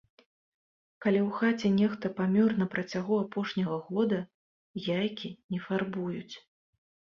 Калі ў хаце нехта памёр на працягу апошняга года, яйкі не фарбуюць.